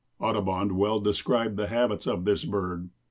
Audubon well describes the habits of this bird.